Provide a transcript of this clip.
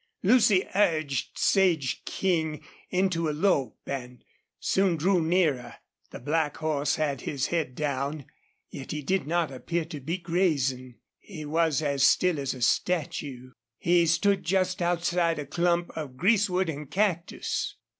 Lucy urged Sage King into a lope and soon drew nearer. The black horse had his head down, yet he did not appear to be grazing. He was as still as a statue. He stood just outside a clump of greasewood and cactus.